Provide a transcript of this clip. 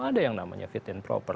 ada yang namanya fit and proper